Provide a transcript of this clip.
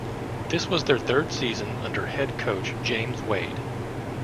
This was their third season under head coach James Wade.